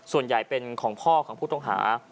ส่วนใหญ่เป็นของพ่อพวกพวกทภ